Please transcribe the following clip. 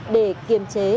để kiềm chế